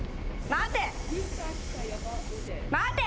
待て。